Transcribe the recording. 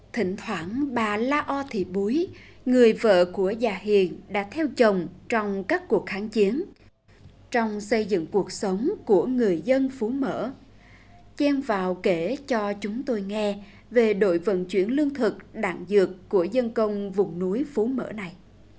thỉnh thoảng bà la o thị búi người vợ của già hiền đã theo chồng trong các cuộc kháng chiến trong xây dựng cuộc sống của người dân phú mỡ chen vào kể cho chúng tôi nghe về đội vận chuyển lương thực đạn dược của dân công vùng núi phú mở này